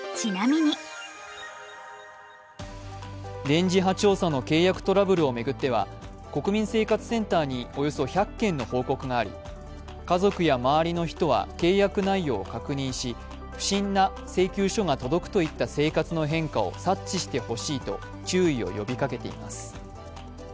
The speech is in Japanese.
電磁波調査の契約トラブルを巡っては、国民生活センターに、およそ１００件の報告があり、家族や周りの人は契約内容を確認し不審な請求書が届くといった生活の変化を察知してほしいと注意を呼びかけています。